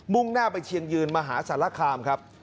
่งหน้าไปเชียงยืนมหาสารคามครับ